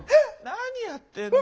何やってんだよ。